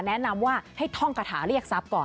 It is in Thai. แนะนำว่าให้ท่องกระถาเรียกทรัพย์ก่อน